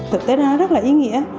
thực tế đó rất là ý nghĩa